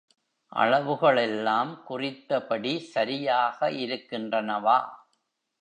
அளவுகளெல்லாம் குறித்தபடி சரியாக இருக்கின்றனவா?